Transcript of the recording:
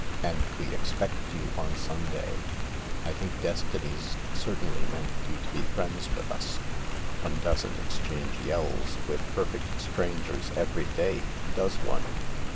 And we expect you on Sunday. I think Destiny's certainly meant 110 THE LARK you to be friends with us. One doesn't exchange yells with perfect strangers every day, does one